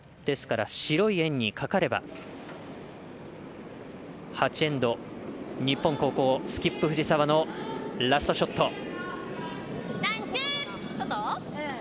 ですから、白い円にかかれば８エンド、日本、後攻スキップ・藤澤のラストショット。